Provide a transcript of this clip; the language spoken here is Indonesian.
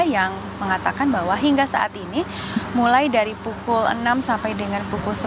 yang mengatakan bahwa hingga saat ini mulai dari pukul enam sampai dengan pukul sembilan